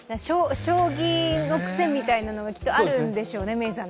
将棋の癖みたいなのがきっとあるんでしょうね。